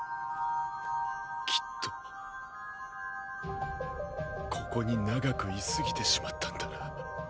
きっとここに長く居すぎてしまったんだな。